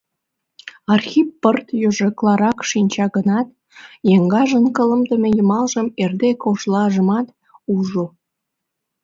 Архип пырт йожекларак шинча гынат, еҥгажын кылымде йымалжым, эрде кожлажымат ужо.